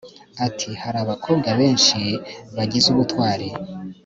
ati hari abakobwa benshi bagize ubutwari